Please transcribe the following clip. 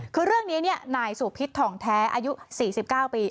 คือเรื่องนี้นายสุพิษทองแท้อายุ๔๙ปี